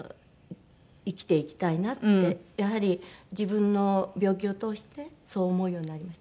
やはり自分の病気を通してそう思うようになりました。